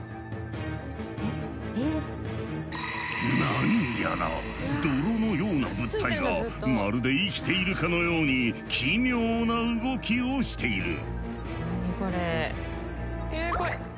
何やら泥のような物体がまるで生きているかのように奇妙な動きをしている。